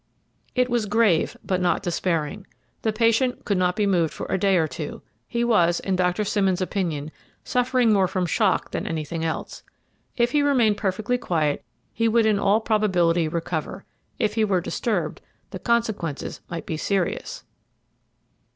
It was grave, but not despairing. The patient could not be moved for a day or two. He was, in Dr. Simmons's opinion, suffering more from shock than anything else. If he remained perfectly quiet, he would in all probability recover; if he were disturbed, the consequences might be serious.